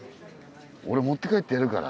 俺持って帰ってやるから。